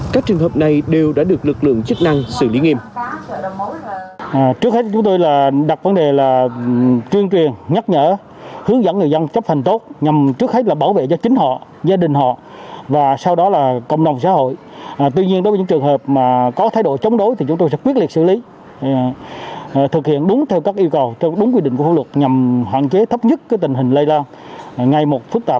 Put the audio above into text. các trường hợp này đều đã được lực lượng chức năng xử lý nghiêm